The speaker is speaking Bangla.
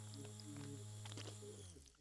ওরা তোর চেয়ে দশ বছরের বড়।